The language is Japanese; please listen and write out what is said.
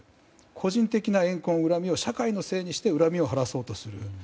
個人的な怨恨、恨みを社会のせいにして恨みを晴らそうとする。